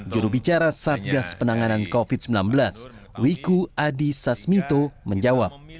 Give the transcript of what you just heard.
jurubicara satgas penanganan covid sembilan belas wiku adi sasmito menjawab